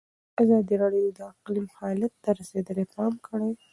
ازادي راډیو د اقلیم حالت ته رسېدلي پام کړی.